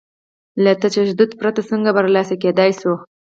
له تشدد پرته څنګه برلاسي کېدای شو؟